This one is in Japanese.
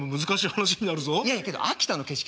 いやけど秋田の景色